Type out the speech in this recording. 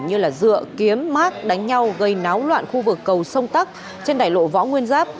như dựa kiếm mát đánh nhau gây náo loạn khu vực cầu sông tắc trên đài lộ võ nguyên giáp